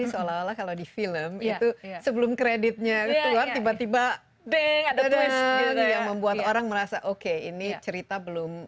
gitu sebelum kreditnya keluar tiba tiba ada twist yang membuat orang merasa oke ini cerita belum